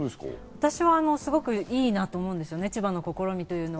私はすごくいいなと思うんです、千葉の試み。